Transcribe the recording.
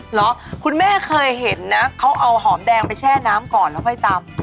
เหรอคุณแม่เคยเห็นนะเขาเอาหอมแดงไปแช่น้ำก่อนแล้วค่อยตำ